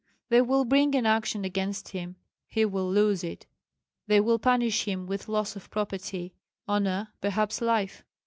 They will bring an action against him; he will lose it. They will punish him with loss of property, honor, perhaps life.